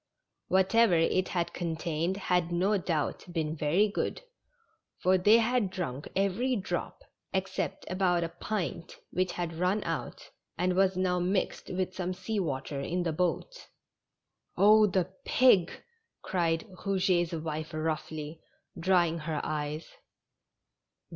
Whatever it had contained had no doubt been very good, for they had drunk every drop, except about a pint which had run out, and was now mixed with some sea water in the boat. " Oh, the pig !" cried Eouget's wife roughly, drying her eyes.